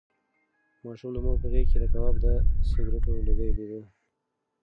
ماشوم د مور په غېږ کې د کباب د سګرټو لوګی لیده.